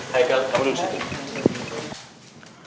haikel kamu duduk situ